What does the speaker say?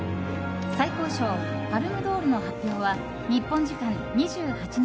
最高賞パルム・ドールの発表は日本時間２８日